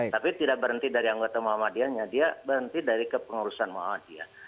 tapi tidak berhenti dari anggota muhammadiyahnya dia berhenti dari kepengurusan muhammadiyah